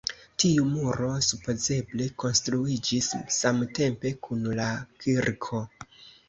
Tiu muro supozeble konstruiĝis samtempe kun la kirko.